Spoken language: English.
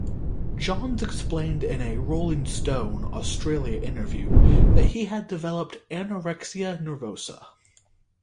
Johns explained in a "Rolling Stone" Australia interview that he had developed anorexia nervosa.